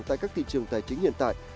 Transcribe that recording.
tại các thị trường tài chính hiện tại